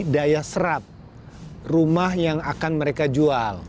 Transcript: daya serap rumah yang akan mereka jual